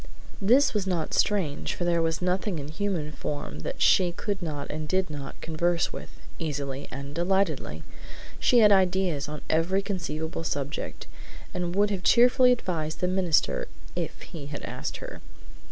This was not strange, for there was nothing in human form that she could not and did not converse with, easily and delightedly. She had ideas on every conceivable subject, and would have cheerfully advised the minister if he had asked her.